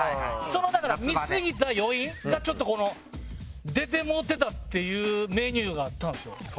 そのだから見すぎた余韻がちょっとこの出てもうてたっていうメニューがあったんですよ。